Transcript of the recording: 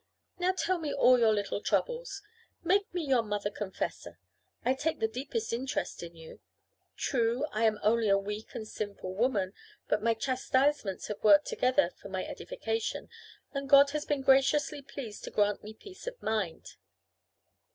Now tell me all your little troubles. Make me your mother confessor. I take the deepest interest in you. True, I am only a weak and sinful woman, but my chastisements have worked together for my edification, and God has been graciously pleased to grant me peace of mind."